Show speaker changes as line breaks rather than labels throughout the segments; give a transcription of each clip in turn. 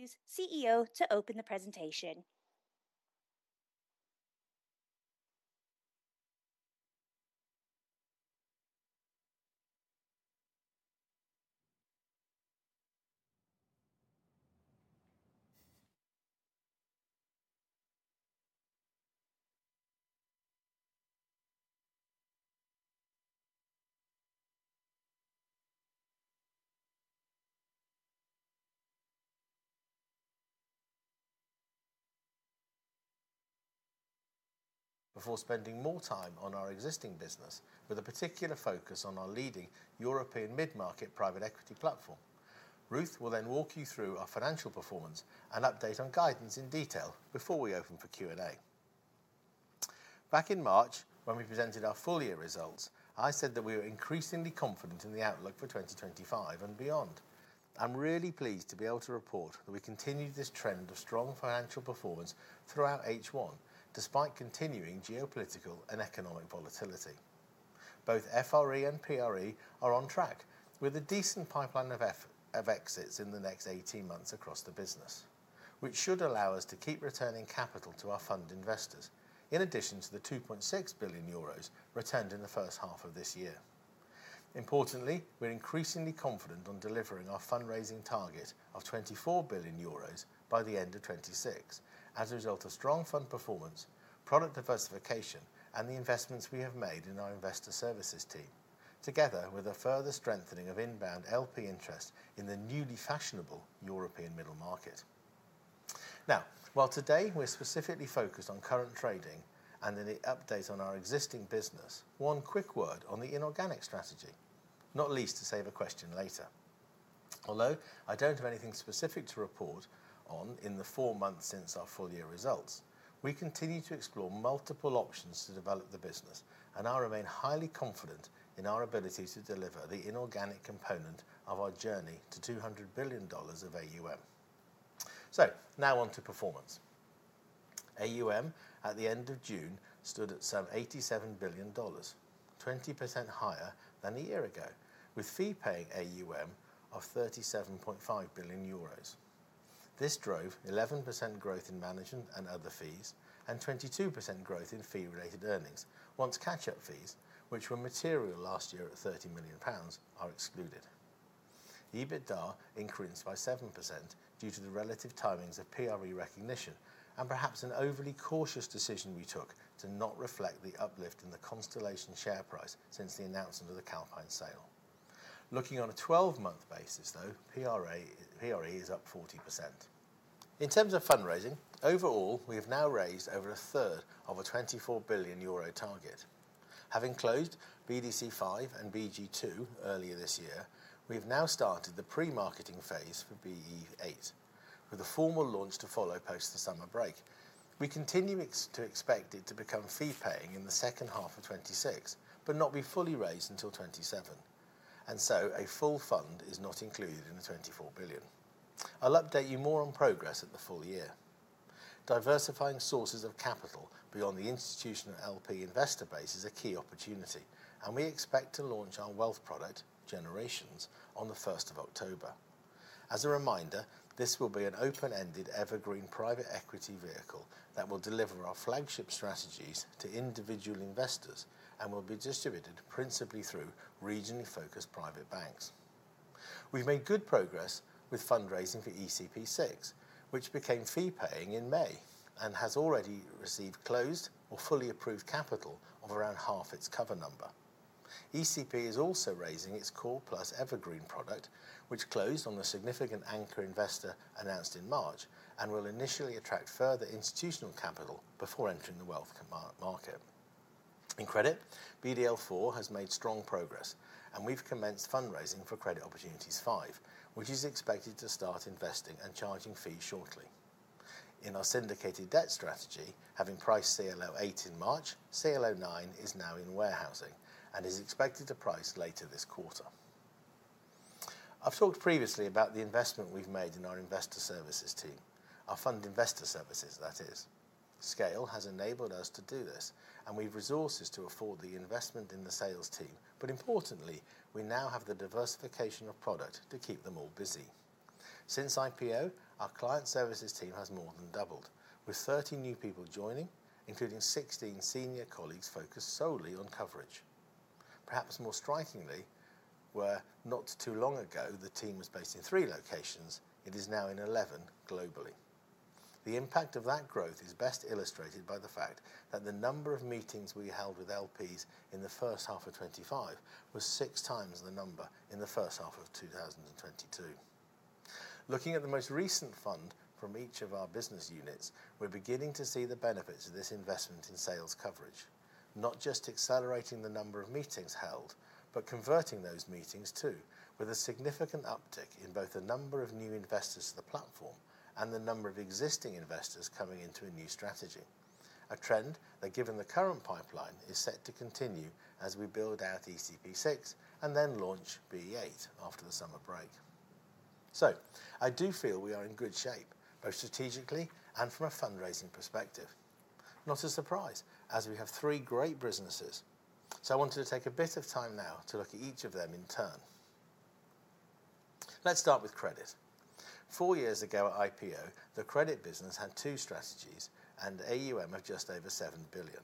Use CEO to open the presentation.
Before spending more time on our existing business with a particular focus on our leading European mid market private equity platform. Ruth will then walk you through our financial performance and update on guidance in detail before we open for Q and A. Back in March, when we presented our full year results, I said that we were increasingly confident in the outlook for 2025 and beyond. I'm really pleased to be able to report that we continued this trend of strong financial performance throughout H1 despite continuing geopolitical and economic volatility. Both FRE and PRE are on track with a decent pipeline of exits in the next eighteen months across the business, which should allow us to keep returning capital to our fund investors in addition to the €2,600,000,000 returned in the first half of this year. Importantly, we're increasingly confident on delivering our fundraising target of €24,000,000,000 by the 2026 as a result of strong fund performance, product diversification and the investments we have made in our investor services team, together with a further strengthening of inbound LP interest in the newly fashionable European middle market. Now while today, we're specifically focused on current trading and any updates on our existing business, one quick word on the inorganic strategy, not least to save a question later. Although I don't have anything specific to report on in the four months since our full year results, we continue to explore multiple options to develop the business and I remain highly confident in our ability to deliver the inorganic component of our journey to $200,000,000,000 of AUM. So now on to performance. AUM at the June stood at some $87,000,000,000 20% higher than a year ago, with fee paying AUM of €37,500,000,000 This drove 11% growth in management and other fees and 22% growth in fee related earnings, once catch up fees, which were material last year at £30,000,000 are excluded. EBITDA increased by 7% due to the relative timings of PRA recognition and perhaps an overly cautious decision we took to not reflect the uplift in the Constellation share price since the announcement of the Alpine sale. Looking on a 12 basis, though, is up 40%. In terms of fundraising, overall, we have now raised over onethree of a €24,000,000,000 target. Having closed BDC five and BG2 earlier this year, we have now started the pre marketing phase for BE8, with a formal launch to follow post the summer break. We continue to expect it to become fee paying in the second half of twenty twenty six, but not be fully raised until 2027. And so a full fund is not included in the 24,000,000,000 I'll update you more on progress at the full year. Diversifying sources of capital beyond the institutional LP investor base is a key opportunity, and we expect to launch our wealth product, Generations, on the October 1. As a reminder, this will be an open ended evergreen private equity vehicle that will deliver our flagship strategies to individual investors and will be distributed principally through regionally focused private banks. We've made good progress with fundraising for ECP6, which became fee paying in May and has already received closed or fully approved capital of around half its cover number. ECP is also raising its Core Plus Evergreen product, which closed on the significant anchor investor announced in March and will initially attract further institutional capital before entering the wealth market. In credit, BDL4 has made strong progress, and we've commenced fundraising for Credit Opportunities five, which is expected to start investing and charging fees shortly. In our syndicated debt strategy, having priced CLO 8 in March, CLO 9 is now in warehousing and is expected to price later this quarter. I've talked previously about the investment we've made in our investor services team, our fund investor services that is. Scale has enabled us to do this, and we have resources to afford the investment in the sales team. But importantly, we now have the diversification of product to keep them all busy. Since IPO, our client services team has more than doubled, with 30 new people joining, including 16 senior colleagues focused solely on coverage. Perhaps more strikingly, where not too long ago, the team was based in three locations, it is now in 11 globally. The impact of that growth is best illustrated by the fact that the number of meetings we held with LPs in the 2025 was 6x the number in the first half of twenty twenty two. Looking at the most recent fund from each of our business units, we're beginning to see the benefits of this investment in sales coverage, not just accelerating the number of meetings held, but converting those meetings too with a significant uptick in both the number of new investors to the platform and the number of existing investors coming into a new strategy, a trend that given the current pipeline is set to continue as we build out ECP6 and then launch B8 after the summer break. So I do feel we are in good shape, both strategically and from a fundraising perspective. Not a surprise as we have three great businesses. So I wanted to take a bit of time now to look at each of them in turn. Let's start with credit. Four years ago at IPO, the credit business had two strategies and AUM of just over £7,000,000,000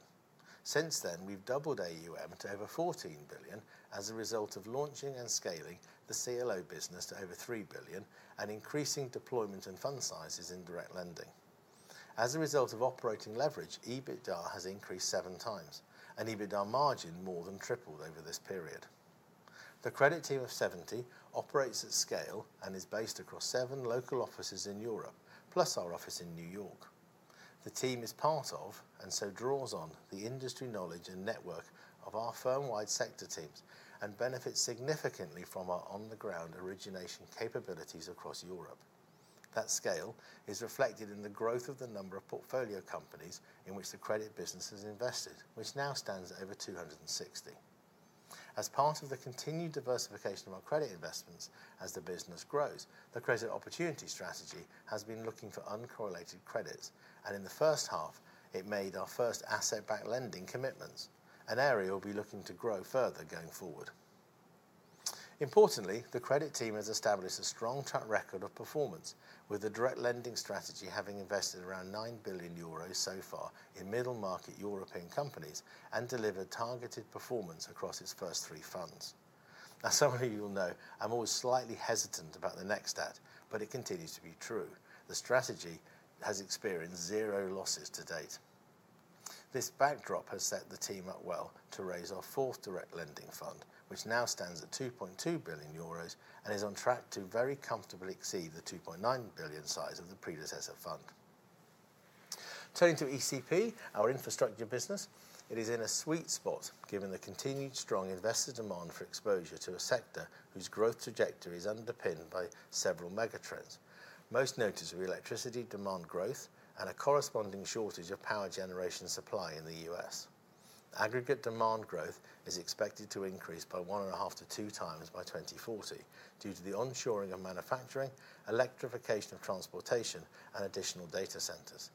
Since then, we've doubled AUM to over £14,000,000,000 as a result of launching and scaling the CLO business to over £3,000,000,000 and increasing deployment and fund sizes in direct lending. As a result of operating leverage, EBITDA has increased seven times and EBITDA margin more than tripled over this period. The credit team of 70 operates at scale and is based across seven local offices in Europe, plus our office in New York. The team is part of and so draws on the industry knowledge and network of our firm wide sector teams and benefits significantly from our on the ground origination capabilities across Europe. That scale is reflected in the growth of the number of portfolio companies in which the credit business has invested, which now stands at over two sixty. As part of the continued diversification of our credit investments as the business grows, the credit opportunity strategy has been looking for uncorrelated credits. And in the first half, it made our first asset backed lending commitments, an area we'll be looking to grow further going forward. Importantly, the credit team has established a strong track record of performance with the direct lending strategy having invested around €9,000,000,000 so far in middle market European companies and delivered targeted performance across its first three funds. As some of you will know, I'm always slightly hesitant about the next stat, but it continues to be true. The strategy has experienced zero losses to date. This backdrop has set the team up well to raise our fourth direct lending fund, which now stands at €2,200,000,000 and is on track to very comfortably exceed the £2,900,000,000 size of the predecessor fund. Turning to ECP, our infrastructure business. It is in a sweet spot given the continued strong investor demand for exposure to a sector whose growth trajectory is underpinned by several megatrends. Most noted are electricity demand growth and a corresponding shortage of power generation supply in The U. S. Aggregate demand growth is expected to increase by 1.5x to 2x by 2040 due to the onshoring of manufacturing, electrification of transportation and additional data centers.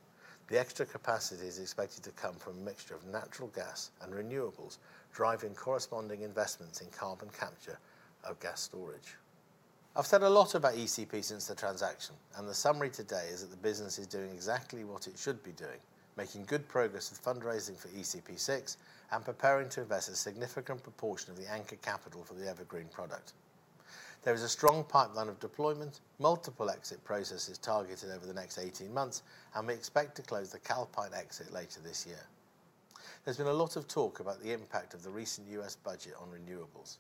The extra capacity is expected to come from a mixture of natural gas and renewables, driving corresponding investments in carbon capture of gas storage. I've said a lot about ECP since the transaction, and the summary today is that the business is doing exactly what it should be doing, making good progress with fundraising for ECP6 and preparing to invest a significant proportion of the anchor capital for the evergreen product. There is a strong pipeline of deployment, multiple exit processes targeted over the next eighteen months, and we expect to close the Kalpite exit later this year. There's been a lot of talk about the impact of The recent U. S. Budget on renewables.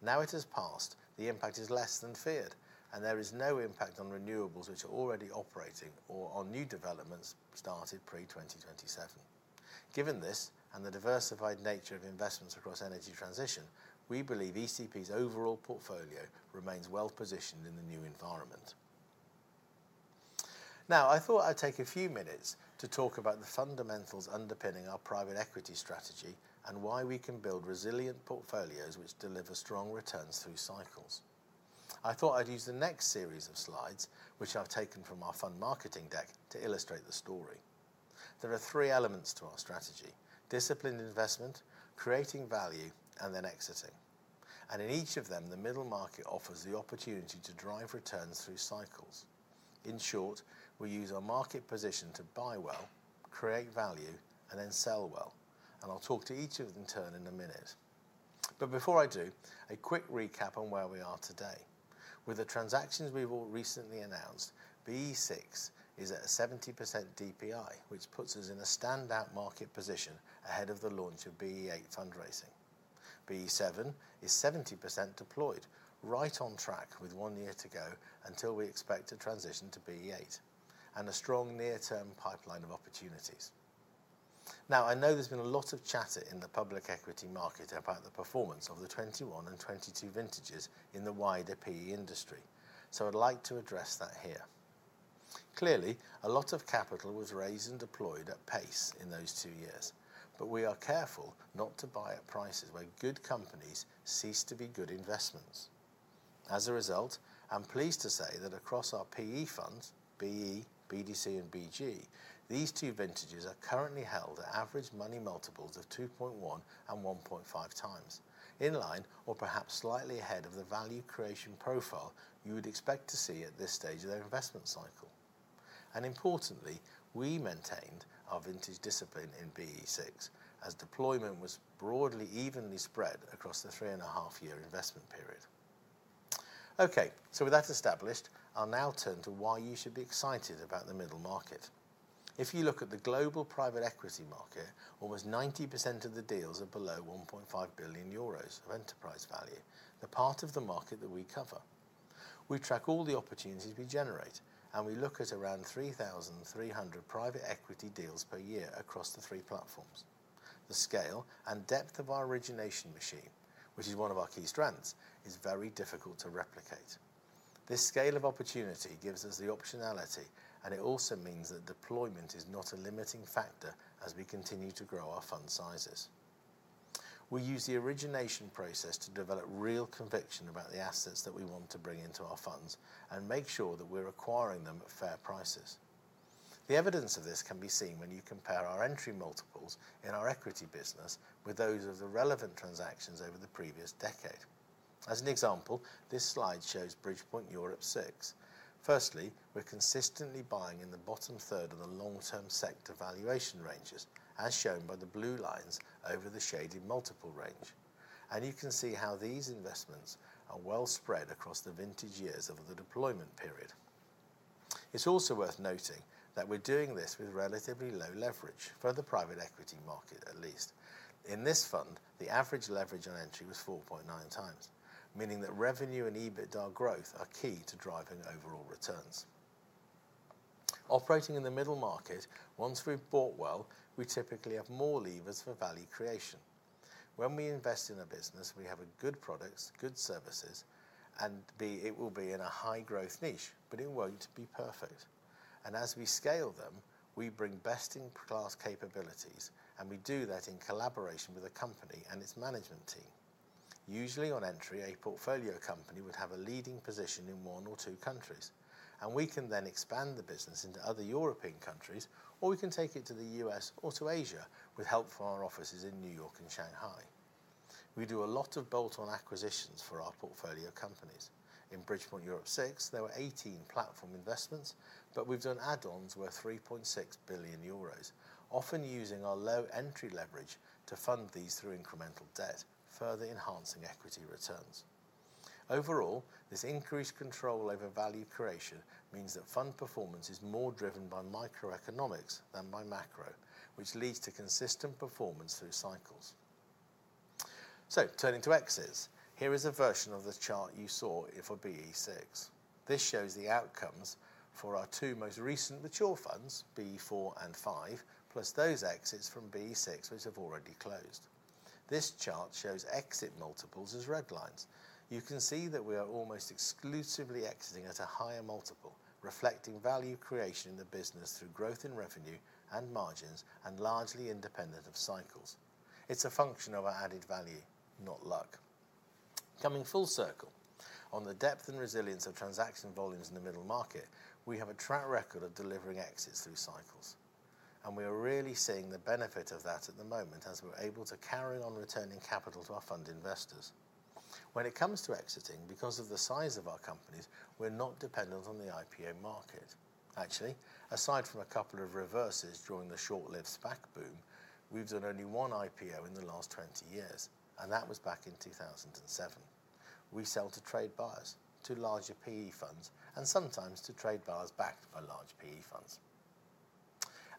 Now it has passed, the impact is less than feared and there is no impact on renewables, which are already operating or on new developments started pre-twenty twenty seven. Given this and the diversified nature of investments across energy transition, we believe ECP's overall portfolio remains well positioned in the new environment. Now I thought I'd take a few minutes to talk about the fundamentals underpinning our private equity strategy and why we can build resilient portfolios, which deliver strong returns through cycles. I thought I'd use the next series of slides, which I've taken from our fund marketing deck to illustrate the story. There are three elements to our strategy: disciplined investment, creating value and then exiting. And in each of them, the middle market offers the opportunity to drive returns through cycles. In short, we use our market position to buy well, create value and then sell well, and I'll talk to each of them in turn in a minute. But before I do, a quick recap on where we are today. With the transactions we've all recently announced, BE6 is at 70% DPI, which puts us in a standout market position ahead of the launch of BE8 fundraising. BE7 is 70% deployed, right on track with one year to go until we expect to transition to BE8 and a strong near term pipeline of opportunities. Now I know there's been a lot of chatter in the public equity market about the performance of the 2021 and 2022 vintages in the wider PE industry, so I'd like to address that here. Clearly, a lot of capital was raised and deployed at pace in those two years, but we are careful not to buy at prices where good companies cease to be good investments. As a result, I'm pleased to say that across our PE funds, BE, BDC and BG, these two vintages are currently held at average money multiples of 2.1 and 1.5x, in line or perhaps slightly ahead of the value creation profile you would expect to see at this stage of their investment cycle. And importantly, we maintained our vintage discipline in BE6 as deployment was broadly evenly spread across the three point five year investment period. Okay. So with that established, I'll now turn to why you should be excited about the middle market. If you look at the global private equity market, almost 90% of the deals are below €1,500,000,000 of enterprise value, the part of the market that we cover. We track all the opportunities we generate, and we look at around 3,300 private equity deals per year across the three platforms. The scale and depth of our origination machine, which is one of our key strengths, is very difficult to replicate. This scale of opportunity gives us the optionality and it also means that deployment is not a limiting factor as we continue to grow our fund sizes. We use the origination process to develop real conviction about the assets that we want to bring into our funds and make sure that we're acquiring them at fair prices. The evidence of this can be seen when you compare our entry multiples in our equity business with those of the relevant transactions over the previous decade. As an example, this slide shows Bridgepoint Europe six. Firstly, we're consistently buying in the bottom third of the long term sector valuation ranges, as shown by the blue lines over the shaded multiple range. And you can see how these investments are well spread across the vintage years of the deployment period. It's also worth noting that we're doing this with relatively low leverage for the private equity market at least. In this fund, the average leverage on entry was 4.9 times, meaning that revenue and EBITDA growth are key to driving overall returns. Operating in the middle market, once we've bought well, we typically have more levers for value creation. When we invest in a business, we have good products, good services and it will be in a high growth niche, but it won't be perfect. And as we scale them, we bring best in class capabilities, and we do that in collaboration with the company and its management team. Usually, on entry, a portfolio company would have a leading position in one or two countries, And we can then expand the business into other European countries or we can take it to The U. S. Or to Asia with help from our offices in New York and Shanghai. We do a lot of bolt on acquisitions for our portfolio companies. In Bridgeport Europe VI, there were 18 platform investments, but we've done add ons worth €3,600,000,000 often using our low entry leverage to fund these through incremental debt, further enhancing equity returns. Overall, this increased control over value creation means that fund performance is more driven by microeconomics than by macro, which leads to consistent performance through cycles. So turning to exits. Here is a version of the chart you saw for BE6. This shows the outcomes for our two most recent mature funds, BE4 and BE5, plus those exits from BE6, which have already closed. This chart shows exit multiples as red lines. You can see that we are almost exclusively exiting at a higher multiple, reflecting value creation in the business through growth in revenue and margins and largely independent of cycles. It's a function of our added value, not luck. Coming full circle, on the depth and resilience of transaction volumes in the middle market, we have a track record of delivering exits through cycles. And we are really seeing the benefit of that at the moment as we're able to carry on returning capital to our fund investors. When it comes to exiting, because of the size of our companies, we're not dependent on the IPO market. Actually, aside from a couple of reverses during the short lived SPAC boom, we've done only one IPO in the last twenty years, and that was back in 02/2007. We sell to trade buyers, to larger PE funds and sometimes to trade buyers backed by large PE funds.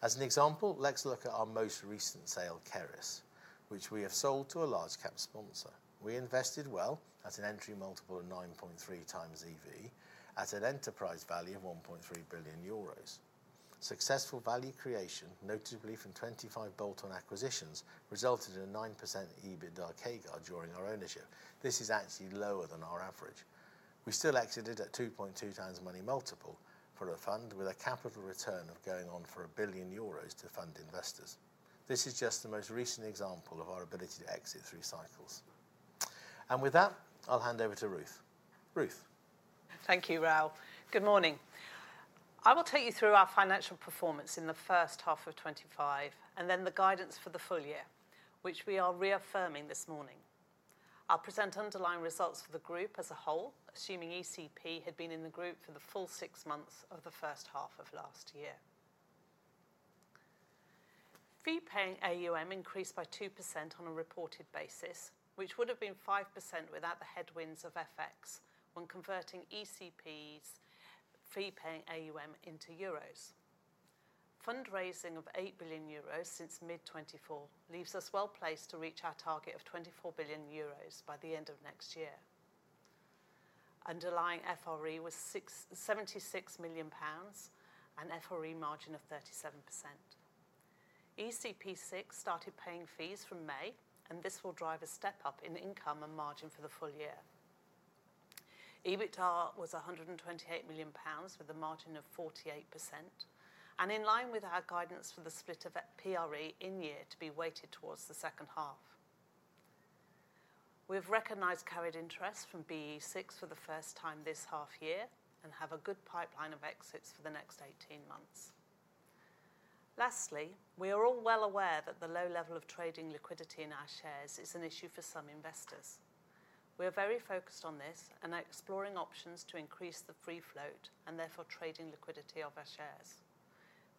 As an example, let's look at our most recent sale, Kerris, which we have sold to a large cap sponsor. We invested well at an entry multiple of 9.3 times EV at an enterprise value of €1,300,000,000 Successful value creation, notably from 25 bolt on acquisitions, resulted in a 9% EBITDA CAGR during our ownership. This is actually lower than our average. We still exited at 2.2 times money multiple for a fund with a capital return of going on for €1,000,000,000 to fund investors. This is just the most recent example of our ability to exit through cycles. And with that, I'll hand over to Ruth. Ruth?
Thank you, Raoul. Good morning. I will take you through our financial performance in the 2025 and then the guidance for the full year, which we are reaffirming this morning. I'll present underlying results for the group as a whole, assuming ECP had been in the group for the full six months of the first half of last year. Fee paying AUM increased by 2% on a reported basis, which would have been 5% without the headwinds of FX when converting ECP's fee paying AUM into euros. Fund raising of €8,000,000,000 since mid-twenty four leaves us well placed to reach our target of €24,000,000,000 by the end of next year. Underlying FRE was £76,000,000 and FRE margin of 37%. ECP6 started paying fees from May, and this will drive a step up in income and margin for the full year. EBITDA was £128,000,000 with a margin of 48% and in line with our guidance for the split of FRE in year to be weighted towards the second half. We have recognized carried interest from BE6 for the first time this half year and have a good pipeline of exits for the next eighteen months. Lastly, we are all well aware that the low level of trading liquidity in our shares is an issue for investors. We are very focused on this and are exploring options to increase the free float and therefore trading liquidity of our shares.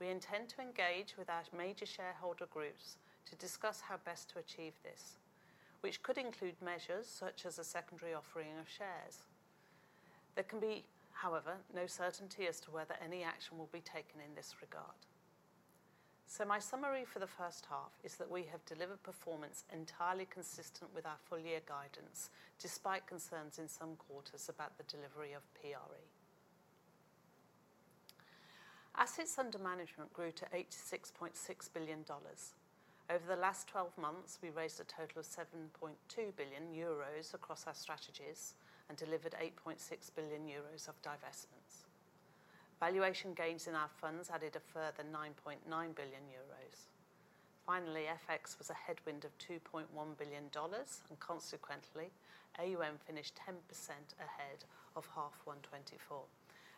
We intend to engage with our major shareholder groups to discuss how best to achieve this, which could include measures such as a secondary offering of shares. There can be, however, no certainty as to whether any action will be taken in this regard. So my summary for the first half is that we have delivered performance entirely consistent with our full year guidance despite concerns in some quarters about the delivery of PRE. Assets under management grew to $86,600,000,000 Over the last twelve months, we raised a total of €7,200,000,000 across our strategies and delivered €8,600,000,000 of divestments. Valuation gains in our funds added a further 9,900,000,000 Finally, FX was a headwind of $2,100,000,000 and consequently, AUM finished 10% ahead of half one twenty four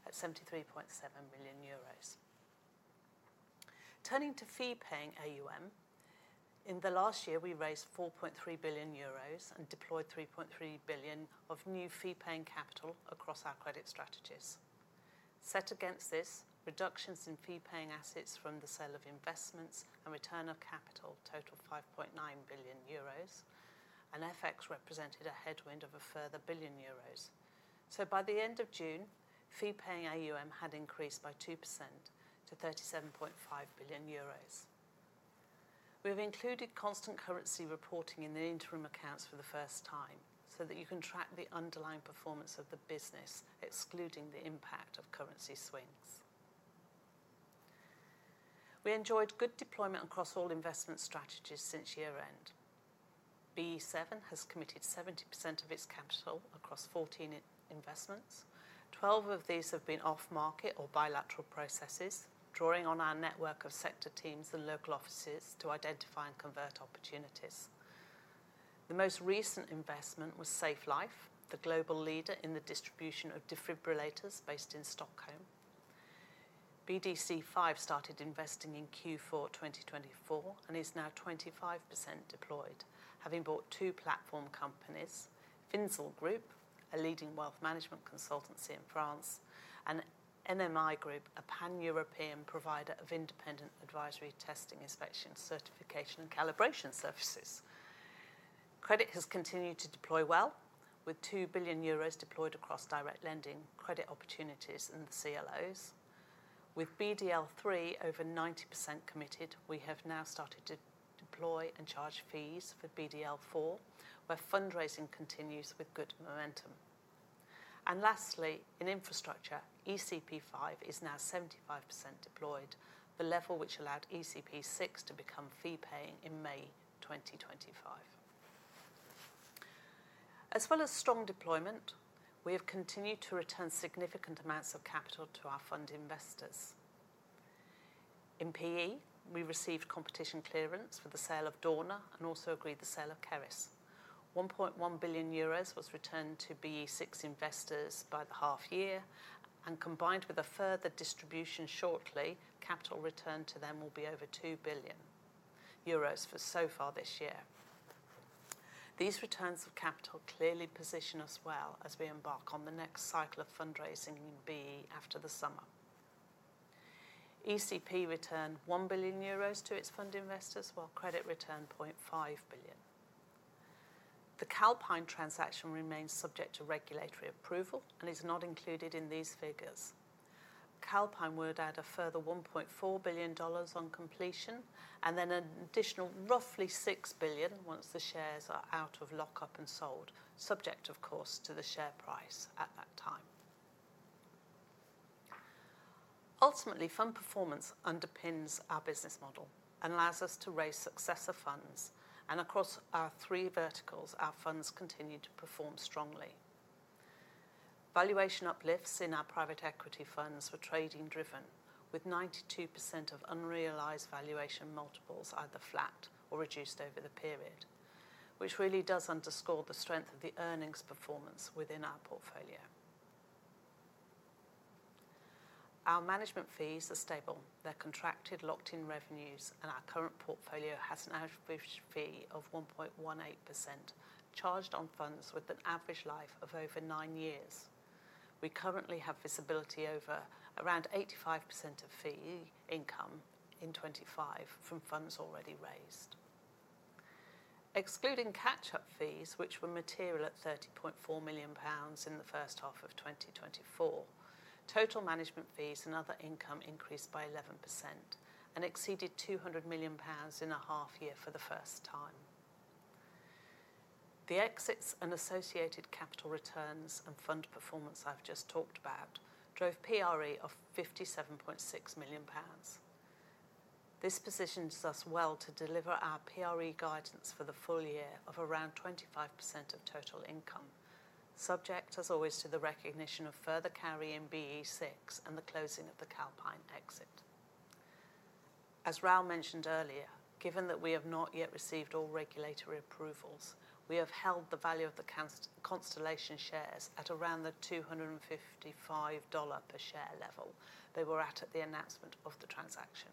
at €73,700,000,000 Turning to fee paying AUM. In the last year, we raised €4,300,000,000 and deployed €3,300,000,000 of new fee paying capital across our credit strategies. Set against this, reductions in fee paying assets from the sale of investments and return of capital totaled €5,900,000,000 and FX represented a headwind of a further €1,000,000,000 So by the June, fee paying AUM had increased by 2% to €37,500,000,000 We have included constant currency reporting in the interim accounts for the first time so that you can track the underlying performance of the business, excluding the impact of currency swings. We enjoyed good deployment across all investment strategies since year end. BE7 has committed 70% of its capital across 14 investments. 12 of these have been off market or bilateral processes, drawing on our network of sector teams and local offices to identify and convert opportunities. The most recent investment was SafeLife, the global leader in the distribution of defibrillators based in Stockholm. BDC5 started investing in Q4 twenty twenty four and is now 25% deployed, having bought two platform companies: Finsel Group, a leading wealth management consultancy in France and NMI Group, a pan European provider of independent advisory testing inspection certification and calibration services. Credit has continued to deploy well with €2,000,000,000 deployed across direct lending, credit opportunities and CLOs. With BDL3 over 90% committed, we have now started to deploy and charge fees for BDL4, where fundraising continues with good momentum. And lastly, in Infrastructure, ECP5 is now 75% deployed, the level which allowed ECP6 to become fee paying in May 2025. As well as strong deployment, we have continued to return significant amounts of capital to our fund investors. In PE, we received competition clearance for the sale of Dorna and also agreed the sale of Keris. 1,100,000,000.0 euros was returned to BE6 investors by the half year. And combined with a further distribution shortly, capital returned to them will be over €2,000,000,000 for so far this year. These returns of capital clearly position us well as we embark on the next cycle of fundraising in BE after the summer. ECP returned €1,000,000,000 to its fund investors, while Credit returned €500,000,000 The Calpine transaction remains subject to regulatory approval and is not included in these figures. Calpine would add a further $1,400,000,000 on completion and then an additional roughly £6,000,000,000 once the shares are out of lockup and sold, subject, of course, to the share price at that time. Ultimately, fund performance underpins our business model and allows us to raise successor funds. And across our three verticals, our funds continue to perform strongly. Valuation uplifts in our private equity funds were trading driven, with 92% of unrealized valuation multiples either flat or reduced over the period, which really does underscore the strength of the earnings performance within our portfolio. Our management fees are stable. They're contracted locked in revenues, and our current portfolio has an average fee of 1.18% charged on funds with an average life of over nine years. We currently have visibility over around 85% of fee income in 2025 from funds already raised. Excluding catch up fees, which were material at £30,400,000 in the first half of twenty twenty four, total management fees and other income increased by 11% and exceeded £200,000,000 in the half year for the first time. The exits and associated capital returns and fund performance I've just talked about drove PRE of £57,600,000 This positions us well to deliver guidance for the full year of around 25% of total income, subject as always to the recognition of further carry in BE6 and the closing of the Alpine exit. As Raoul mentioned earlier, given that we have not yet received all regulatory approvals, we have held the value of the Constellation shares at around the $255 per share level they were at, at the announcement of transaction.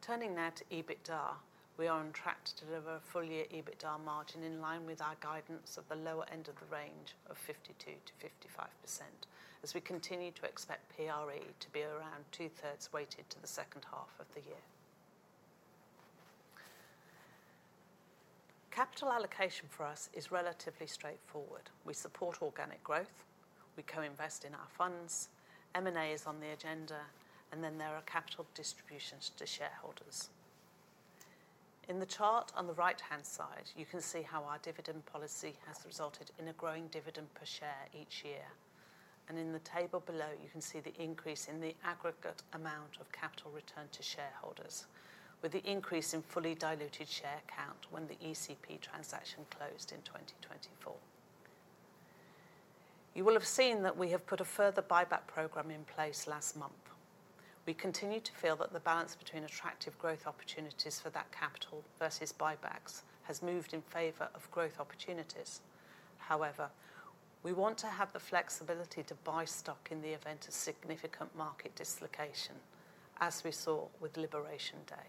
Turning now to EBITDA. We are on track to deliver a full year EBITDA margin in line with our guidance of the lower end of the range of 52% to 55% as we continue to expect PRE to be around twothree weighted to the second half of the year. Capital allocation for us is relatively straightforward. We support organic growth. We co invest in our funds, M and A is on the agenda and then there are capital distributions to shareholders. In the chart on the right hand side, you can see how our dividend policy has resulted in a growing dividend per share each year. And in the table below, you can see the increase in the aggregate amount of capital returned to shareholders, with the increase in fully diluted share count when the ECP transaction closed in 2024. You will have seen that we have put a further buyback program in place last month. We continue to feel that the balance between attractive growth opportunities for that capital versus buybacks has moved in favor of growth opportunities. However, we want to have the flexibility to buy stock in the event of significant market dislocation, as we saw with Liberation Day.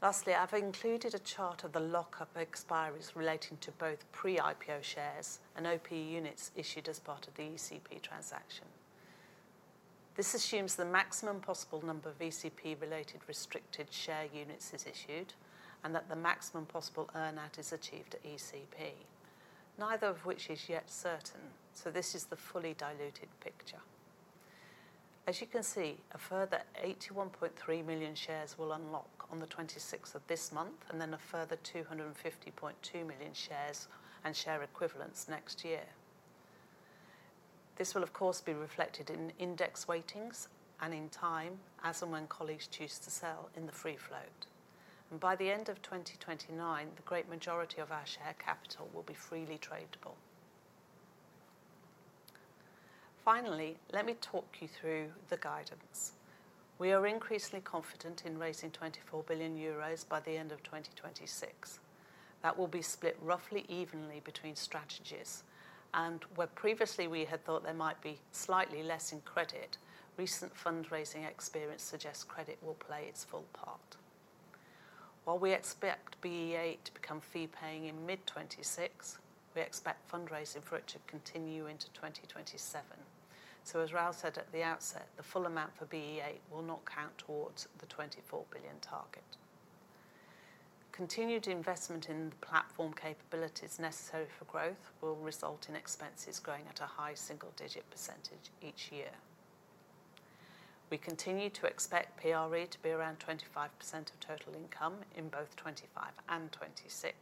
Lastly, I've included a chart of the lockup of expiries relating to both pre IPO shares and OP units issued as part of the ECP transaction. This assumes the maximum possible number of ECP related restricted share units is issued and that the maximum possible earn out is achieved at ECP, neither of which is yet certain, so this is the fully diluted picture. As you can see, a further 300,000.0 shares will unlock on the twenty sixth of this month and then a further 250,200,000.0 shares and share equivalents next year. This will, of course, be reflected in index weightings and in time as and when colleagues choose to sell in the free float. And by the end of twenty twenty nine, the great majority of our share capital will be freely tradable. Finally, let me talk you through the guidance. We are increasingly confident in raising €24,000,000,000 by the end of twenty twenty six. That will be split roughly evenly between strategies. And where previously we had thought there might be slightly less in credit, recent fundraising experience suggests credit will play its full part. While we expect BE8 to become fee paying in mid-twenty twenty six, we expect fundraising for it to continue into 2027. So as Ralf said at the outset, the full amount for BE8 will not count towards the £24,000,000,000 target. Continued investment in platform capabilities necessary for growth will result in expenses growing at a high single digit percentage each year. We continue to expect PRE to be around 25% of total income in both 2526%.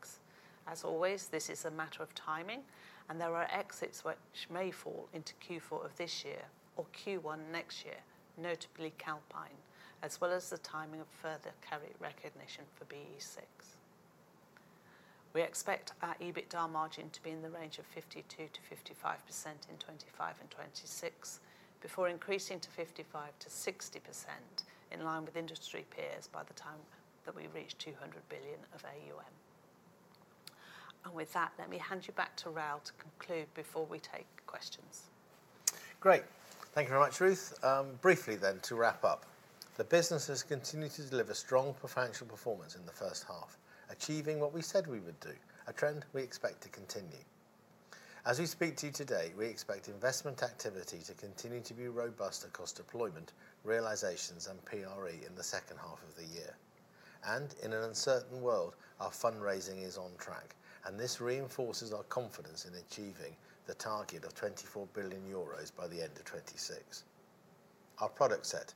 As always, this is a matter of timing, and there are exits which may fall into Q4 of this year or Q1 next year, notably, Alpine, as well as the timing of further carry recognition for BE6. We expect our EBITDA margin to be in the range of 52 to 55% in 2025 and 2026 before increasing to 55% to 60%, in line with industry peers by the time that we reach £200,000,000,000 of AUM. And with that, let me hand you back to Raoul to conclude before we take questions.
Great. Thank you very much, Ruth. Briefly then to wrap up. The business has continued to deliver strong financial performance in the first half, achieving what we said we would do, a trend we expect to continue. As we speak to you today, we expect investment activity to continue to be robust across deployment, realizations and PRE in the second half of the year. And in an uncertain world, our fundraising is on track, and this reinforces our confidence in achieving the target of €24,000,000,000 by the end of twenty twenty six. Our product set,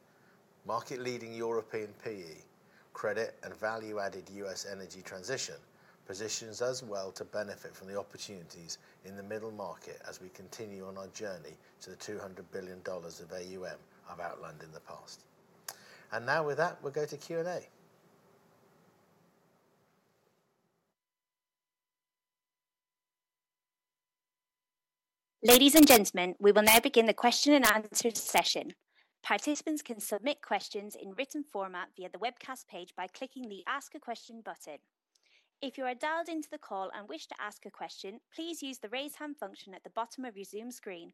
market leading European PE, credit and value added U. S. Energy transition positions us well to benefit from the opportunities in the middle market as we continue on our journey to the $200,000,000,000 of AUM I've outlined in the past. And now with that, we'll go to Q and A.
Ladies and gentlemen, we will now begin the question and answer session. Participants can submit questions in written format via the webcast page by clicking the Ask a Question button. If you are dialed into the call and wish to ask a question please use the raise hand function at the bottom of your Zoom screen.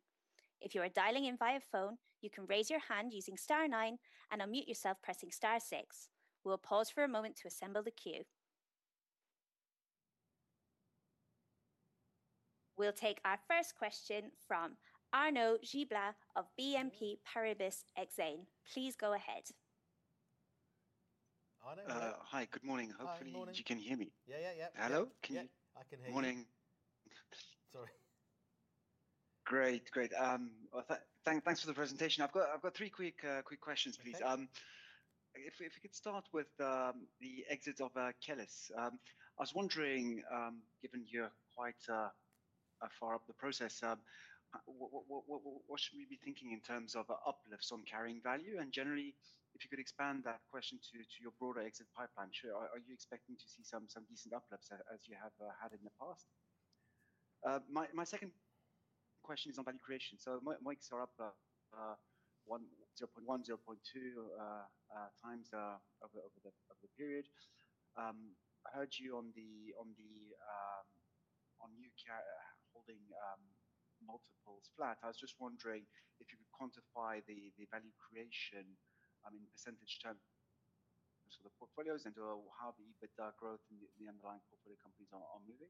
If you are dialing in via phone you can raise your hand using star nine and unmute yourself pressing star six. We'll pause for a moment to assemble the queue. We'll take our first question from Arnaud Gibla of BNP Paribas, Exane. Please go ahead.
Hi, good morning. Hopefully, you can hear me.
Yes, yes, yes. Hello? Can hear you. Great,
great. Thanks for the presentation. I've got three quick questions, please. If you could start with the exit of Kellys. I was wondering, given you're quite far up the process, what should we be thinking in terms of uplifts on carrying value? And generally, if you could expand that question to your broader exit pipeline, are you expecting to see some decent uplifts as you have had in the past? My second question is on value creation. So mics are up 0.1, 0.2 times over the period. I heard you on on new holding multiples flat. I was just wondering if you could quantify the value creation, I mean, percentage term sort of portfolios and how the EBITDA growth in the underlying portfolio companies are moving?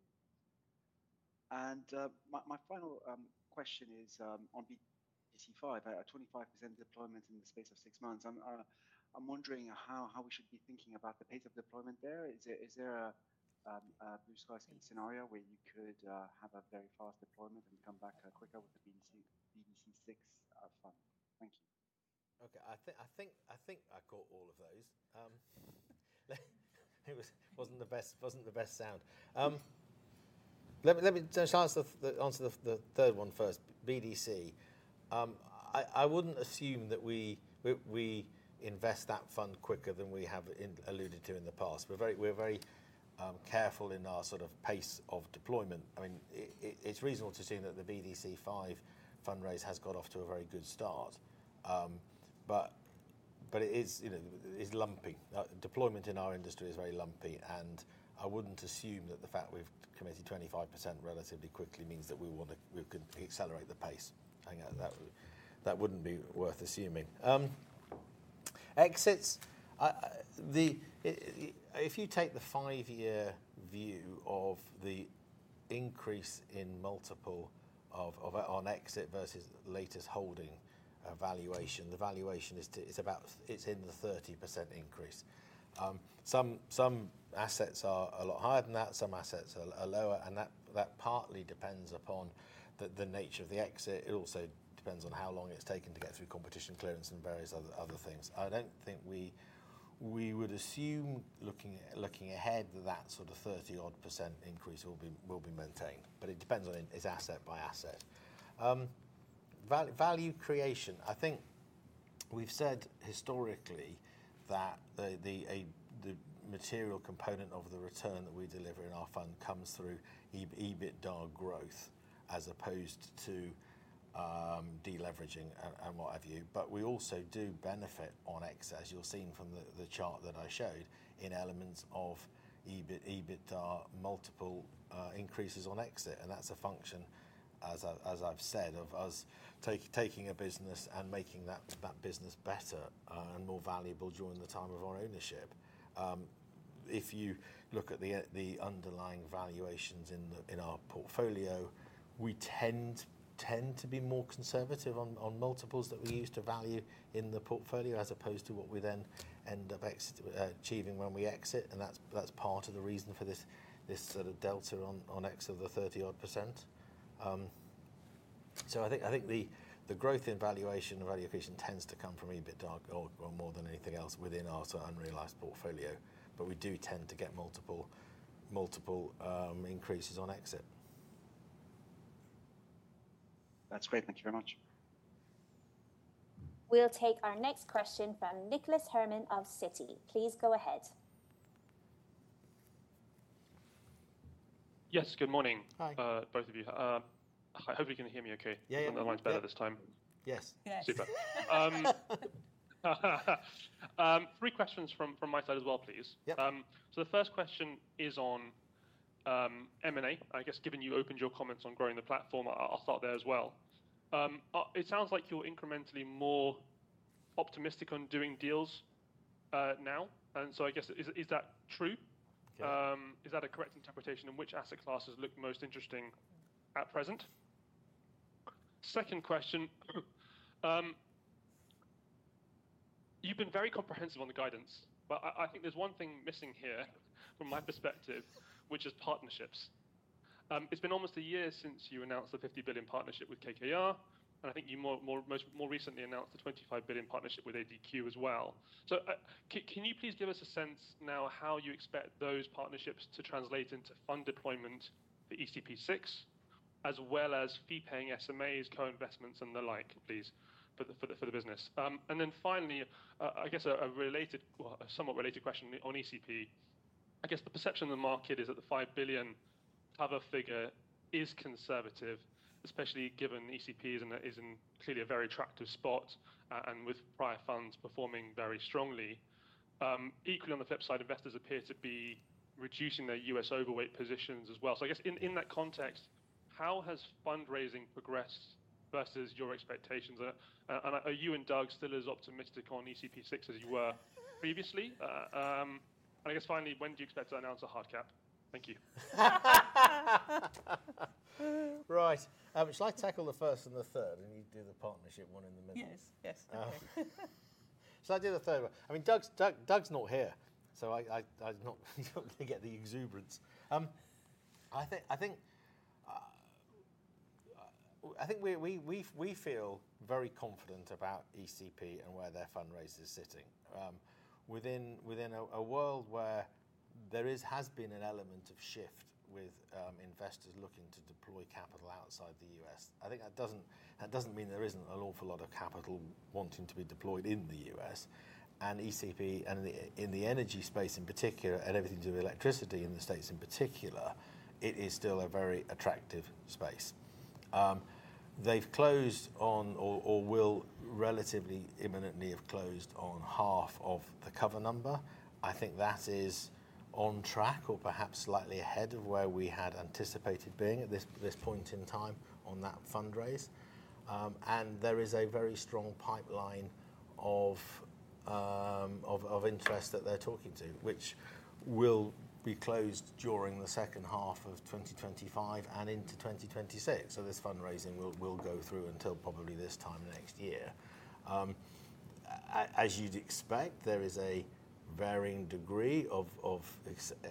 And my final question is on BTC5, a 25% deployment in the space of six months. I'm wondering how we should be thinking about the pace of deployment there. Is there a blue sky scenario where you could have a very fast deployment and come back quicker with the BBC six? Thank you.
Okay. I think I caught all of those. It wasn't the best sound. Let me just answer the third one first, BDC. I wouldn't assume that we invest that fund quicker than we have alluded to in the past. We're careful in our sort of pace of deployment. I mean it's reasonable to assume that the BDC five fundraise has got off to a very good start. But it is lumpy. Deployment in our industry is very lumpy. And I wouldn't assume that the fact we've committed 25% relatively quickly means that we want to we could accelerate the pace. That wouldn't be worth assuming. Exits. If you take the five year view of the increase in multiple of on exit versus latest holding valuation, the valuation is about it's in the 30% increase. Some assets are a lot higher than that. Some assets are lower. And that partly depends upon the nature of the exit. It also depends on how long it's taken to get through competition clearance and various other things. I don't think we would assume looking ahead that, that sort of 30 odd percent increase will be maintained. But it depends on it's asset by asset. Value creation. I think we've said historically that the material component of the return that we deliver in our fund comes through EBITDA growth as opposed to deleveraging and what have you. But we also do benefit on excess, as you'll see from the chart that I showed, in elements of EBITDA multiple increases on exit. And that's a function, as I've said, of us taking a business and making that business better and more valuable during the time of our ownership. If you look at the underlying valuations in our portfolio, we tend to be more conservative on multiples that we used to value in the portfolio as opposed to what we then end up achieving when we exit. And that's part of the reason for this sort of delta on X of the 30 odd percent. So I think the growth in valuation or value creation tends to come from EBITDA or more than anything else within our unrealized portfolio, but we do tend to get multiple increases on exit.
That's great. Thank you very much.
We'll take our next question from Nicholas Herrmann of Citi. Please go ahead.
Yes, good morning, both of you. I hope you can hear me okay. Yes. Yes. Questions from my side as well, please. So the first question is on M and A. I guess, given you opened your comments on growing the platform, I'll start there as well. It sounds like you're incrementally more optimistic on doing deals now. And so I guess is that true? Is that a correct interpretation? And which asset classes look most interesting at present? Second question, you've been very comprehensive on the guidance, but I think there's one thing missing here from my perspective, which is partnerships. It's been almost a year since you announced the £50,000,000,000 partnership with KKR, and I think you more recently announced the £25,000,000,000 partnership with ADQ as well. So can you please give us a sense now how you expect those partnerships to translate into fund deployment for ECP6 as well as fee paying SMAs, co investments and the like, please, for the business? And then finally, I guess a related somewhat related question on ECP. I guess the perception of the market is that the €5,000,000,000 cover figure is conservative, especially given ECP is in clearly a very attractive spot and with prior funds performing very strongly. Equally on the flip side, investors appear to be reducing their U. S. Overweight positions as well. So I guess in that context, how has fundraising progressed versus your expectations? And are you and Doug still as optimistic on ECP6 as you were previously? And I guess finally, when do you expect to announce a hard cap? Thank you.
Right. Shall I tackle the first and the third? And you do the partnership one in the middle.
Yes, yes.
Shall I do the third one? I mean Doug's not here, so I'm not going to get the exuberance. I think we feel very confident about ECP and where their fundraiser is sitting. Within a world where there is has been an element of shift with investors looking to deploy capital outside The U. S, I think that doesn't mean there isn't an awful lot of capital wanting to be deployed in The U. S. And ECP and in the energy space in particular, and everything to do with electricity in The States in particular, it is still a very attractive space. They've closed on or will relatively imminently have closed on half of the cover number. I think that is on track or perhaps slightly ahead of where we had anticipated being at this point in time on that fundraise. And there is a very strong pipeline of interest that they're talking to, which will be closed during the 2025 and into 2026. So this fundraising will go through until probably this time next year. As you'd expect, there is a varying degree of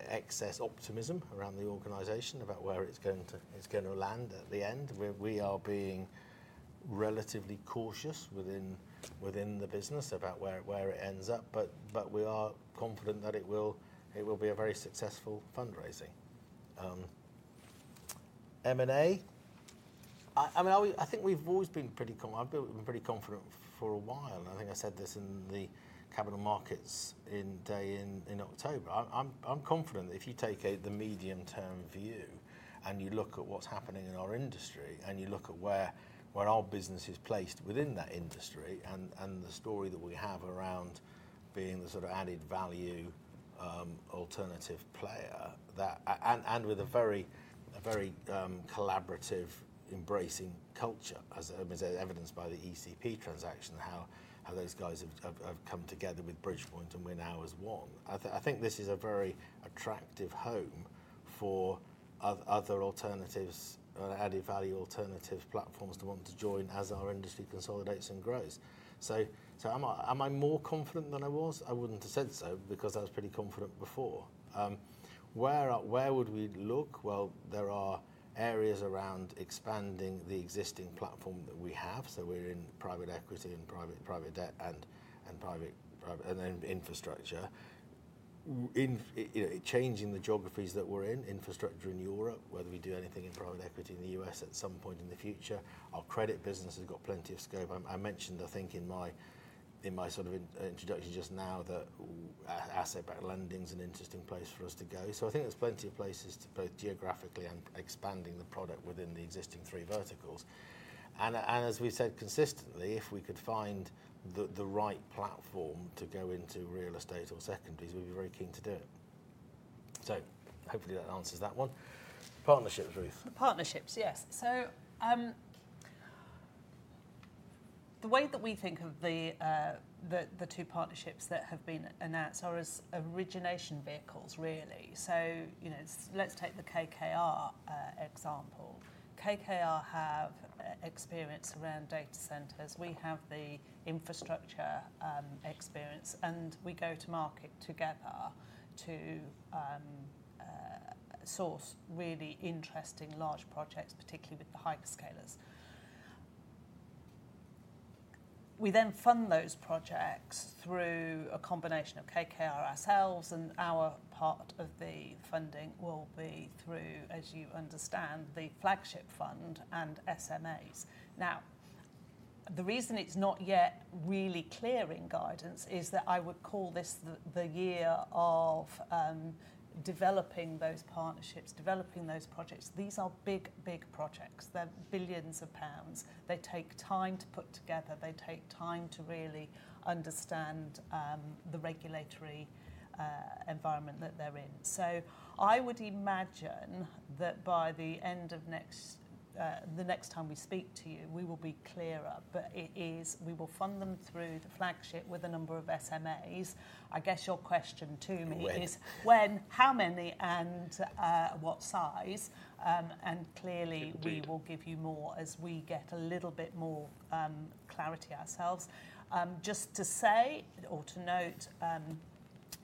excess optimism around the organization about where it's going to land at the end. We are being relatively cautious within the business about where it ends up, but we are confident that it will be a very successful fundraising. M and A, I mean I think we've always been pretty I've been pretty confident for a while. I think I said this in the Capital Markets Day in October. I'm confident that if you take the medium term view and you look at what's happening in our industry and you look at our business is placed within that industry and the story that we have around being the sort of added value alternative player that and with a very collaborative embracing culture, culture as evidenced by the ECP transaction, how those guys have come together with Bridgepoint and win hours won. I think this is a very attractive home for other alternatives added value alternative platforms to want to join as our industry consolidates and grows. So am I more confident than I was? I wouldn't have said so because I was pretty confident before. Where would we look? Well, there are areas around expanding the existing platform that we have. So we're in private equity and private debt and then infrastructure. Changing the geographies that we're in, infrastructure in Europe, whether we do anything in private equity in The U. S. At some point in the future. Our credit business has got plenty of scope. I mentioned, I think, in my sort of introduction just now that asset backed lending is an interesting place for us to go. So I think there's plenty of places to both geographically and expanding the product within the existing three verticals. And as we said consistently, if we could find the right platform to go into real estate or second piece, we'd be very keen to do it. So hopefully, answers that one. Partnerships, Ruth?
Partnerships, yes. So the way that we think of the two partnerships that have been announced are as origination vehicles, really. So let's take the KKR example. KKR have experience around data centers. We have the infrastructure experience, and we go to market together to source really interesting large projects, particularly with the hyperscalers. We then fund those projects through a combination of KKR ourselves, and our part of the funding will be through, as you understand, the flagship fund and SMAs. Now the reason it's not yet really clear in guidance is that I would call this the year of developing those partnerships, developing those projects. These are big, big projects. They're billions of pounds. They take time to put together. They take time to really understand the regulatory environment that they're in. So I would imagine that by the end of next the next time we speak to you, we will be clearer. But it is we will fund them through the flagship with a number of SMAs. Guess your question to me
And is
how many and what
clearly, we will give you more as we get a little bit more clarity ourselves. Just to say or to note,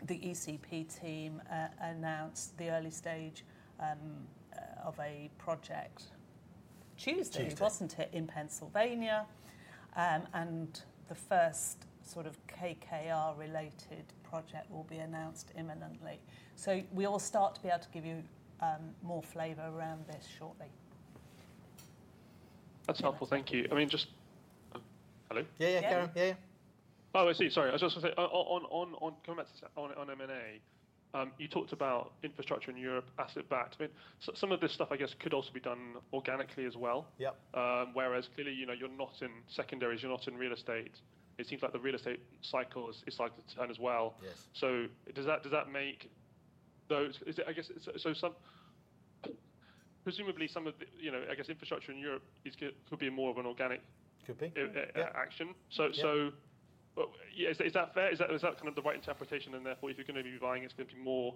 the ECP team announced the early stage of a project Tuesday, And wasn't it, in the first sort of KKR related project will be announced imminently. So we will start to be able to give you more flavor around this shortly.
That's helpful. I mean just hello?
Yes, yes, Karen.
I see. Sorry. Was just going say on M and A, you talked about infrastructure in Europe asset backed. I mean some of this stuff, I guess, could also be done organically as well, whereas clearly, you're not in secondaries, you're not in real estate. It seems like the real estate cycle is likely to turn as well. Does that make those I guess so some presumably, of the I guess, infrastructure in Europe could be more of an organic action.
So
is that fair? Is that kind of the right interpretation? And therefore, if you're to be buying, it's going be more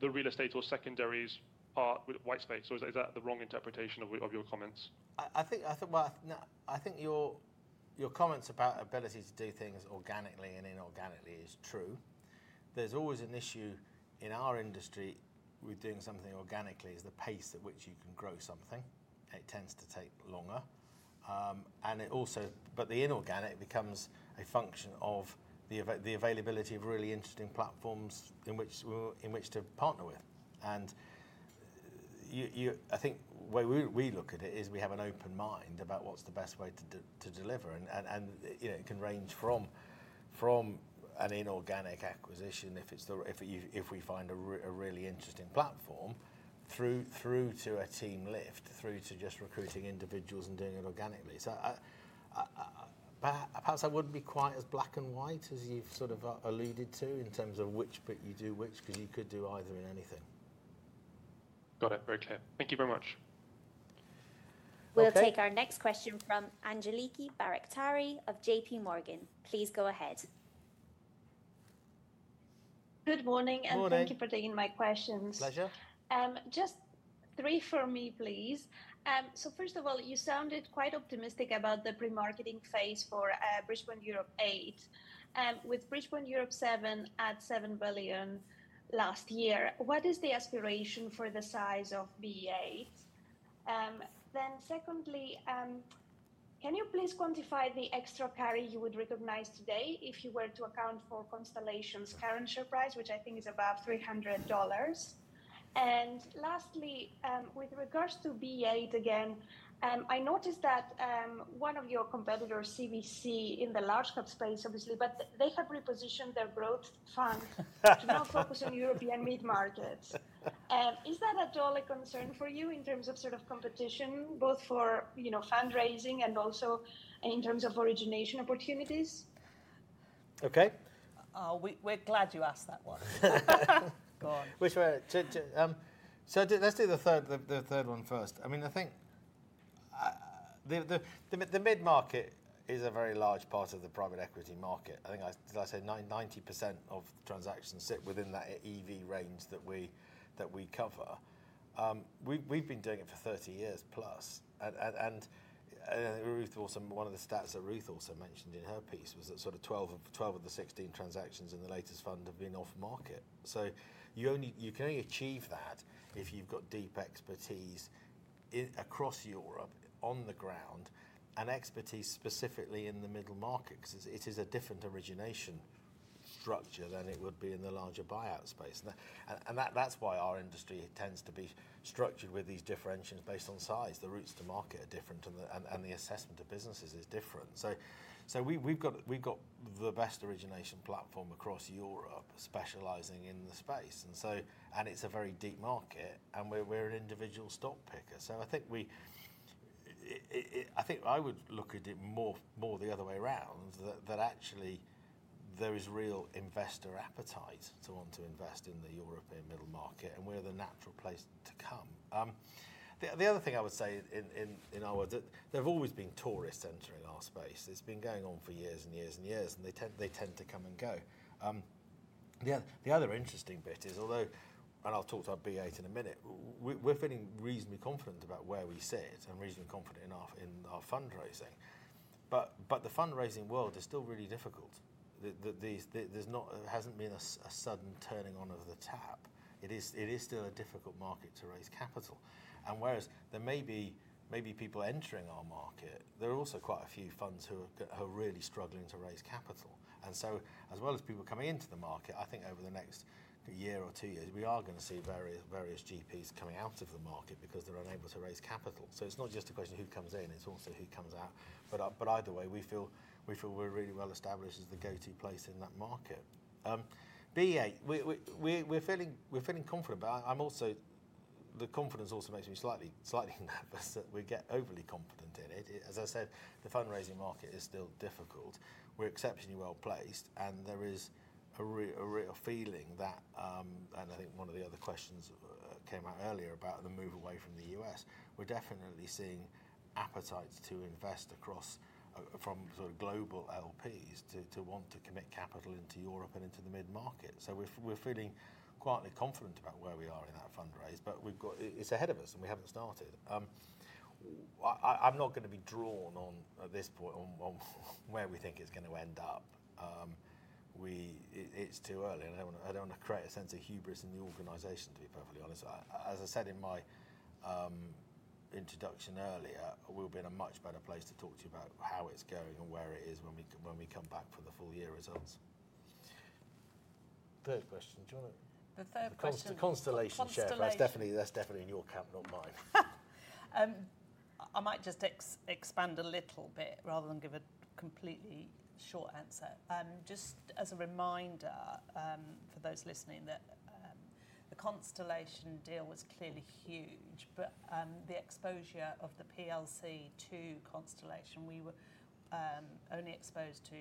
the real estate or secondaries part with white space. So is that the wrong interpretation of your comments?
I think your comments about ability to do things organically and inorganically is true. There's always an issue in our industry with doing something organically is the pace at which you can grow something. It tends to take longer. And it also but the inorganic becomes a function of the availability of really interesting platforms in which to partner with. And I think the way we look at it is we have an open mind about what's the best way to deliver. And it can range from an inorganic acquisition if it's if we find a really interesting platform through to a team lift, through to just recruiting individuals and doing it organically. So perhaps I wouldn't be quite as black and white as you've sort of alluded to in terms of which bit you do which because you could do either in anything.
Got it. Very clear. Thank you very much.
We'll take our next question from Angeliki Baraktari of JPMorgan. Please go ahead.
Morning and morning. Thank you for taking my
Pleasure.
Three for me, please. So first of all, you sounded quite optimistic about the pre marketing phase for Bridgeport Europe eight. With Bridgeport Europe seven at €7,000,000,000 last year, what is the aspiration for the size of BA? And then secondly, can you please quantify the extra carry you would recognize today if you were to account for Constellation's current share price, which I think is above $300 And lastly, with regards to V eight again, I noticed that one of your competitors, CVC, in the large cap space, obviously, but they have repositioned their growth fund to now focus on European meat markets. Is that at all a concern for you in terms of sort of competition, both for fundraising and also in terms of origination opportunities?
Okay.
We're glad you asked that one.
On. So let's do the third one first. I mean, I think the mid market is a very large part of the private equity market. I think as I said, 90% of transactions sit within that EV range that we cover. We've been doing it for thirty years plus. Ruth also one of the stats that Ruth also mentioned in her piece was that sort of 12 of the 16 transactions in the latest fund have been off market. So you only you can only achieve that if you've got deep expertise across Europe on the ground and expertise specifically in the middle market because it is a different origination structure than it would be in the larger buyout space. And that's why our industry tends to be structured with these differentials based on size. The routes to market are different and the assessment of businesses is different. So we've the best origination platform across Europe specializing in the space. And so and it's a very deep market and we're an individual stock picker. So I think we I think I would look at it more the other way around that actually there is real investor appetite to want to invest in the European middle market and we're the natural place to come. The other thing I would say in our words that there have always been tourists It's been going on for years and years and years, and they tend to come and go. The other interesting bit is although, and I'll talk to our B8 in a minute, we're feeling reasonably confident about where we sit and reasonably confident in our fundraising. But the fundraising world is still really difficult. Hasn't been a sudden turning on of the tap. It is still a difficult market to raise capital. And whereas there may be people entering our market, there are also quite a few funds who are really struggling to raise capital. And so as well as people coming into the market, I think over the next year or two years, we are going to see various GPs coming out of the market because they're unable to raise capital. So it's not just a question who comes in, it's also who comes out. But either way, we feel we're really well established as the go to place in that market. BEA, we're feeling confident. I'm also the confidence also makes me slightly nervous that we get overly confident in it. As I said, the fundraising market is still difficult. We're exceptionally well placed. And there is a real feeling that and I think one of the other questions came out earlier about the move away from The U. S, we're definitely seeing appetites to invest across from sort of global LPs to want to commit capital into Europe and into the mid market. So we're feeling quietly confident about where we are in that fundraise, but we've got it's ahead of us, and we haven't started. I'm not going to be drawn on, at this point, on where we think it's going to end up. We it's too early. I don't want to create a sense of hubris in the organization, to be perfectly honest. As I said in my introduction earlier, we'll be in a much better place to talk to you about how it's going and where it is when we come back for the full year results. Third question. Do you want
to The third question.
Constellation share, that's definitely in your camp, not mine.
I might just expand a little bit rather than give a completely short answer. Just as a reminder for those listening that the Constellation deal was clearly huge, but the exposure of the PLC to Constellation, we were only exposed to 10%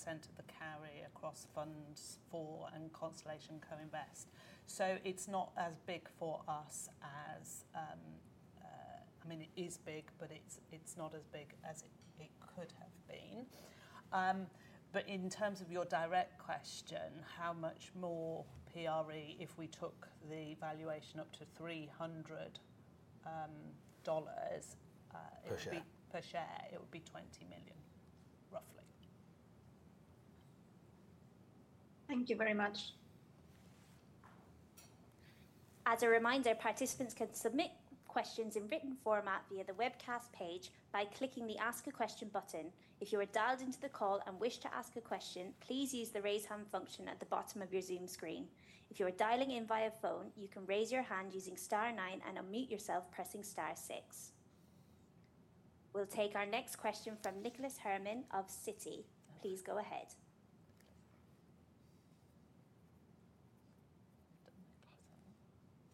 of the carry across Funds IV and Constellation co invest. So it's not as big for us as I mean it is big, but it's not as big as it could have been. But in terms of your direct question, how much more PRE if we took the valuation up to $300 per share, it would be $20,000,000 roughly.
Thank you very much.
As a reminder participants can submit questions in written format via the webcast page by clicking the ask a question button. If you are dialed into the call and wish to ask a question please use the raise hand function at the bottom of your Zoom screen. If you're dialling in via phone you can raise your hand using star nine and unmute yourself pressing star six. We'll take our next question from Nicholas Herrmann of Citi. Please go ahead.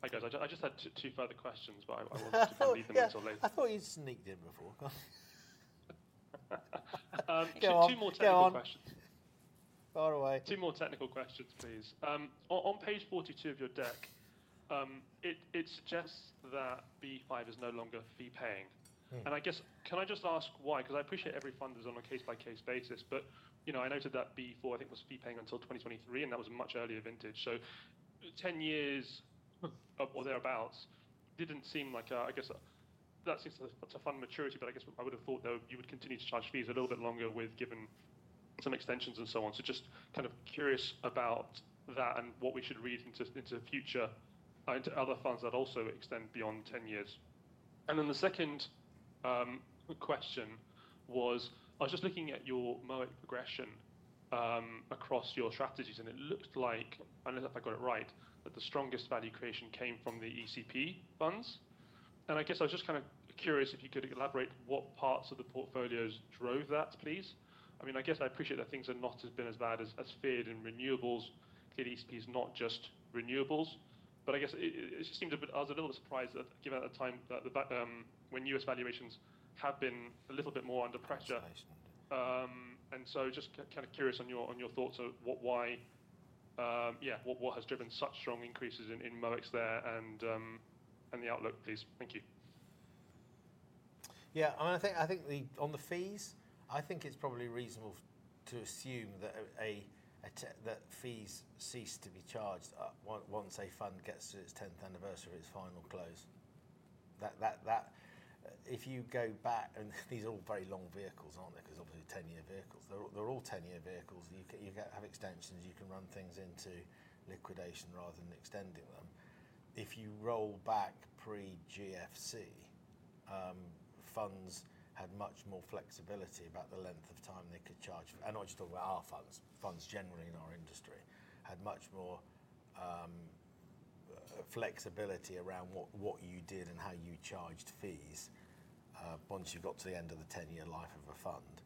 Hi, guys. I just had two further questions, but I wanted to leave I a little thought you sneaked in before.
Go technical
Far away.
Two more technical questions, please. On Page 42 of your deck, it suggests that B5 is no longer fee paying. And I guess can I just ask why? Because I appreciate every fund is on a case by case basis, but I noted that B4, think, was fee paying until 2023, and that was a much earlier vintage. So ten years or thereabouts didn't seem like I guess that seems like a fund maturity, but I guess I would have thought though you would continue to charge fees a little bit longer with given some extensions and so on. So just kind of curious about that and what we should read into the future into other funds that also extend beyond ten years. And then the second question was, I was just looking at your moment progression across your strategies, it looked like I don't know if I got it right, that the strongest value creation came from the ECP funds. And I guess I was just kind of curious if you could elaborate what parts of the portfolios drove that, please. I mean, I guess, I appreciate that things have not been as bad as feared in renewables. Clearly, it's not just renewables. But I guess, it just seemed a bit I was a little surprised that given the time when U. S. Valuations have been a little bit more under pressure. And And so just kind of curious on your thoughts of why yes, what has driven such strong increases in MOEX there and the outlook, please? Yes.
I mean I think on the fees, I think it's probably reasonable to assume that fees cease to be charged once a fund gets to its tenth anniversary of its final close. That if you go back and these are all very long vehicles, aren't Because obviously, year vehicles. They're all ten year vehicles. You can have extensions. You can run things into liquidation rather than extending them. If you roll back pre GFC, funds had much more flexibility about the length of time they could charge and not just about our funds, funds generally in our industry, had much more flexibility around what you did and how you charged fees once you got to the end of the ten year life of a fund.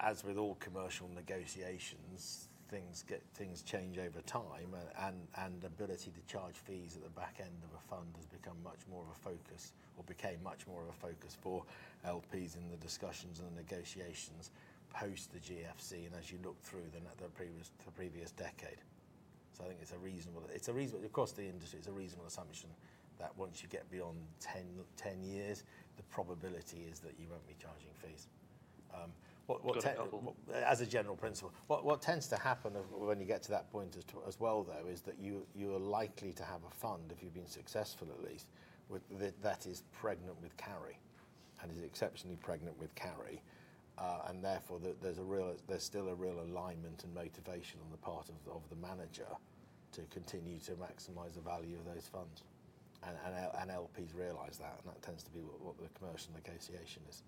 As with all commercial negotiations, things change over time and the ability to charge fees at the back end of a fund has become much more of a focus or became much more of a focus for LPs in the discussions and negotiations post the GFC and as you look through the previous decade. So I think it's a reasonable it's a reasonable across the industry, it's a reasonable assumption that once you get beyond ten years, the probability is that you won't be charging fees. As a general principle, what tends to happen when you get to that point as well, though, is that you are likely to have a fund, if you've been successful at least, that is pregnant with carry and is exceptionally pregnant with carry. And therefore, there's still a real alignment and motivation on the part of the manager to continue to maximize the value of those funds. And LPs realize that, and that tends to be what the commercial negotiation is.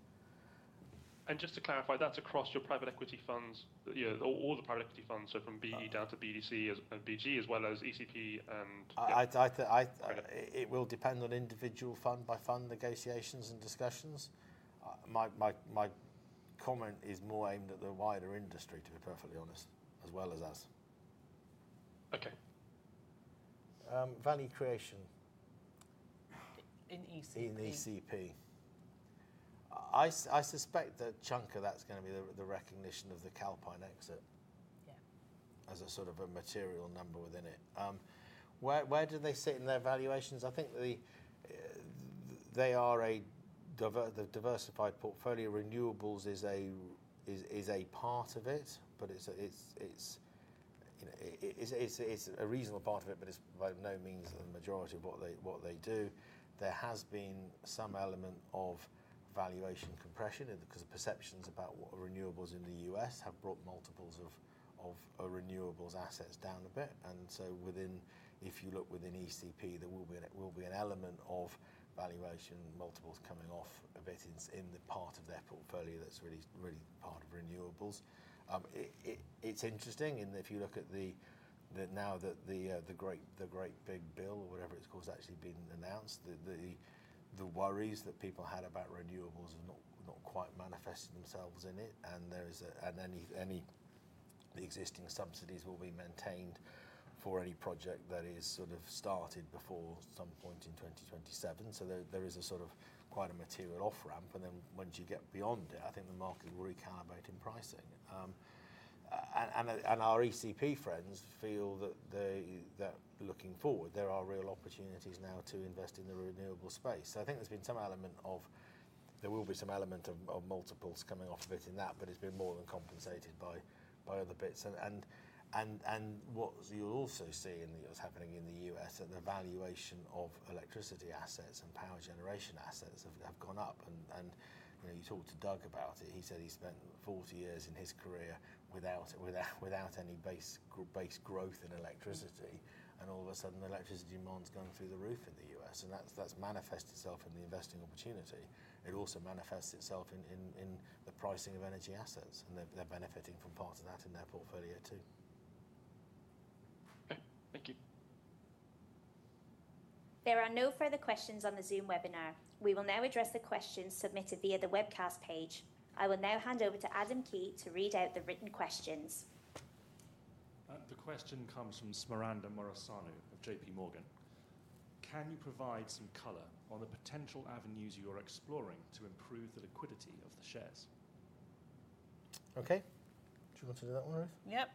And just to clarify, that's across your private equity funds all the private equity funds, so from BE down to BDC and BG as well as ECP
and It will depend on individual fund by fund negotiations and discussions. My comment is more aimed at the wider industry, to be perfectly honest, as well as us. Value creation?
In ECP.
In ECP. I suspect that chunk of that's going to be the recognition of the Alpine exit as a sort of a material number within it. Where do they sit in their valuations? I think the they are a diversified portfolio. Renewables is a part of it, but it's a reasonable part of it, but it's by no means the majority of what they do. There has been some element of valuation compression because perceptions about renewables in The U. S. Have brought multiples of renewables assets down a bit. And so within if you look within ECP, there will be an element of valuation multiples coming off a bit in the part of their portfolio that's really part of renewables. It's interesting. And if you look at the now that the great big bill or whatever, of course, has actually been announced, the worries that people had about renewables have not quite manifested themselves in it. And there is and any the existing subsidies will be maintained for any project that is sort of started before some point in 2027. So there is a sort of quite a material off ramp. And then once you get beyond it, I think the market will recalibrate in pricing. And our ECP friends feel that looking forward, there are real opportunities now to invest in the renewable space. So I think there's been some element of there will be some element of multiples coming off of it in that, but it's been more than compensated by other bits. What you'll also see in what's happening in The U. S. And the valuation of electricity assets and power generation assets have gone up. And you talked to Doug about it. He said he spent forty years in his career without any base growth in electricity. And all of a sudden, electricity demand is going through the roof in The U. S. And that's manifested itself in the investing opportunity. It also manifests itself in the pricing of energy assets, and they're benefiting from part of that in their portfolio, too.
There
are no further questions on the Zoom webinar. We will now address the questions submitted via the webcast page. I will now hand over to Adam Key to read out the written questions.
The question comes from Smiranda Morosano of JPMorgan. Can you provide some color on the potential avenues you are exploring to improve the liquidity of the shares?
Okay. Do you want to do that one, Ruth?
Yes.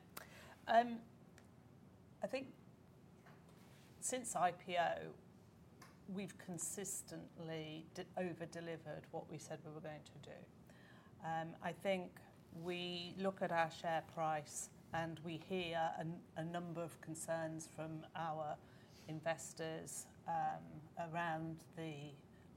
I think since IPO, over delivered what we said we were going to do. I think we look at our share price and we hear a number of concerns from our investors around the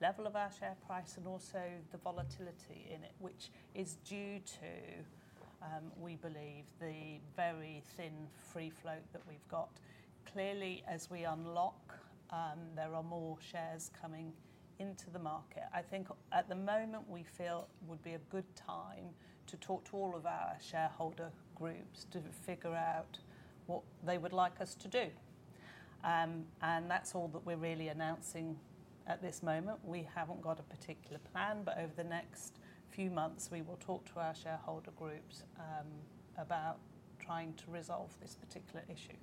level of our share price and also the volatility in it, which is due to, we believe, the very thin free float that we've got. Clearly, as we unlock, there are more shares coming into the market. I think at the moment, we feel would be a good time to talk to all of our shareholder groups to figure out what they would like us to do. And that's all that we're really announcing at this moment. We haven't got a particular plan, but over the next few months, we will talk to our shareholder groups about trying to resolve this particular issue.